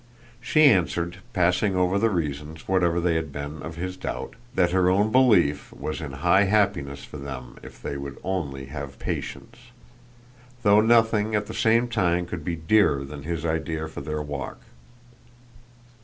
She answered, passing over the reasons, whatever they had been, of his doubt, that her own belief was in high happiness for them if they would only have patience; though nothing at the same time could be dearer than his idea for their walk.